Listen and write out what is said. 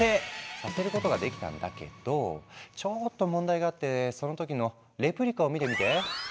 させることができたんだけどちょっと問題があってその時のレプリカを見てみて。